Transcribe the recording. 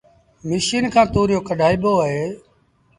مشيٚن کآݩ تُوريو ڪڍآئيبو اهي